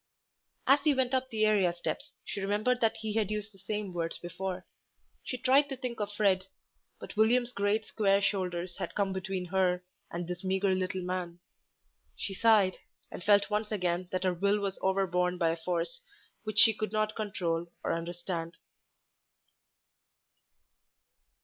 As he went up the area steps she remembered that he had used the same words before. She tried to think of Fred, but William's great square shoulders had come between her and this meagre little man. She sighed, and felt once again that her will was overborne by a force which she could not control or understand.